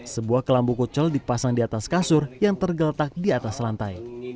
sebuah kelambu kucel dipasang di atas kasur yang tergeletak di atas lantai